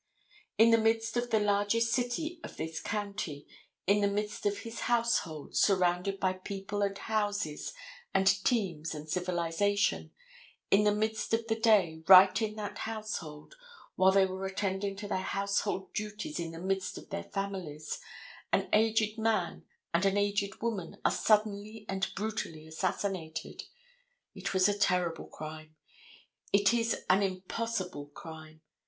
In the midst of the largest city of this county, in the midst of his household, surrounded by people and houses and teams and civilization, in the midst of the day, right in that household, while they were attending to their household duties in the midst of their families, an aged man and an aged woman are suddenly and brutally assassinated. It was a terrible crime. It is an impossible crime.